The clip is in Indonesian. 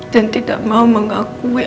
dan tidak mau mengakui